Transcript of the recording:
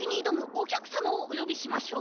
おきゃくさまをおよびしましょう。